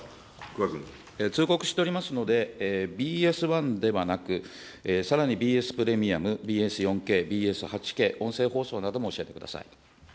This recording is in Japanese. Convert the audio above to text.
通告しておりますので、ＢＳ１ではなく、さらにＢＳプレミアム、ＢＳ４Ｋ、ＢＳ８Ｋ、音声放送なども教えてください。